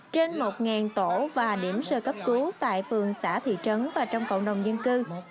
trên một tổ và điểm sơ cấp cứu tại phường xã thị trấn và trong cộng đồng dân cư